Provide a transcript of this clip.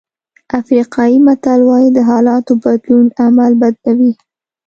افریقایي متل وایي د حالاتو بدلون عمل بدلوي.